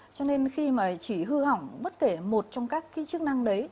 cho nên khi mà chỉ hư hỏng bất kể một trong các cái chức năng đấy